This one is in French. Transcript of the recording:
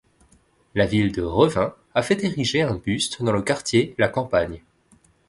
La ville de Revin a fait ériger un buste dans le quartier La Campagne.